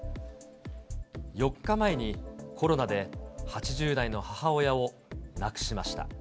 ４日前に、コロナで８０代の母親を亡くしました。